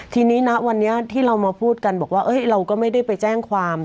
ทีนี้นะวันนี้ที่เรามาพูดกันบอกว่าเราก็ไม่ได้ไปแจ้งความ